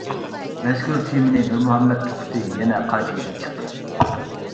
مەزكۇر تېمىنى نۇرمۇھەممەت توختى يەنە قايتا يېزىپ چىقتى.